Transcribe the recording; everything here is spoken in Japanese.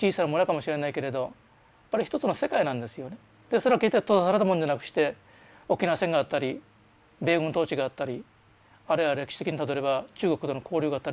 それは決して閉ざされたものじゃなくして沖縄戦があったり米軍統治があったりあるいは歴史的にたどれば中国との交流があったりですね